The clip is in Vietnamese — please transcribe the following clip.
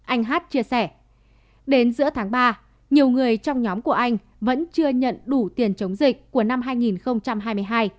anh hát chia sẻ đến giữa tháng ba nhiều người trong nhóm của anh vẫn chưa nhận đủ tiền chống dịch của năm hai nghìn hai mươi hai